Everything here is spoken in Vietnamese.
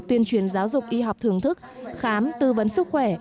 tuyên truyền giáo dục y học thưởng thức khám tư vấn sức khỏe